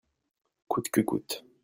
coûte que coûte.